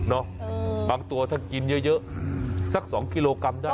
บางตัวถ้ากินเยอะสัก๒กิโลกรัมได้